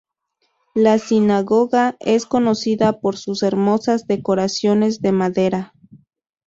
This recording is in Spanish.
La sinagoga es conocida por sus hermosas decoraciones de madera.